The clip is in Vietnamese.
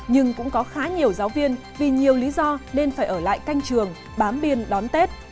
nhưng cũng có khá nhiều giáo viên vì nhiều lý do nên phải ở lại canh trường bám biên đón tết